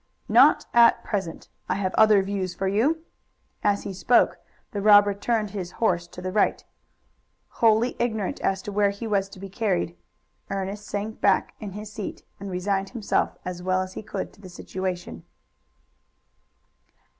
"Not at present; I have other views for you." As he spoke the robber turned his horse to the right. Wholly ignorant as to where he was to be carried, Ernest sank back in his seat and resigned himself as well as he could to the situation.